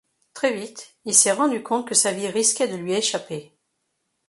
Très vite, il s'est rendu compte que sa vie risquait de lui échapper.